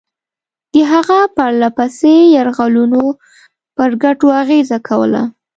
د هغه پرله پسې یرغلونو پر ګټو اغېزه کوله.